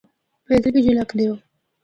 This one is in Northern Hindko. پیدل بھی جُل ہکدے او۔